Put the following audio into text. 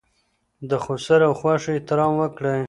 د خسر او خواښې احترام وکړئ.